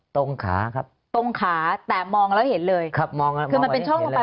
ตรงขาครับตรงขาแต่มองแล้วเห็นเลยครับมองครับคือมันเป็นช่องลงไป